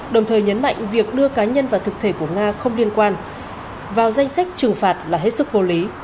đồng thời nhấn mạnh việc đưa cá nhân và thực thể của nga không liên quan vào danh sách trừng phạt là hết sức vô lý